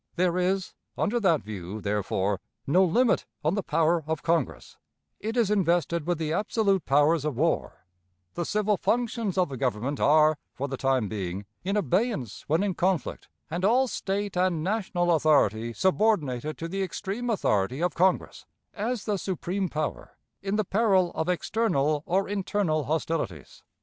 There is, under that view, therefore, no limit on the power of Congress; it is invested with the absolute powers of war the civil functions of the Government are, for the time being, in abeyance when in conflict, and all State and "national" authority subordinated to the extreme authority of Congress, as the supreme power, in the peril of external or internal hostilities.